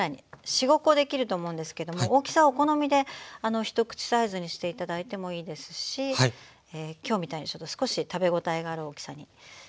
４５コできると思うんですけども大きさはお好みで一口サイズにして頂いてもいいですし今日みたいに少し食べ応えがある大きさにしてもいいと思います。